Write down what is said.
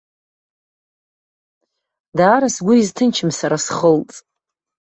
Даара сгәы изҭычым сара схылҵ.